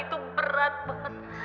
itu berat banget